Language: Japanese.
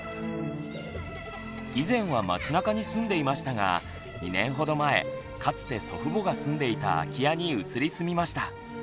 以前は街なかに住んでいましたが２年ほど前かつて祖父母が住んでいた空き家に移り住みました。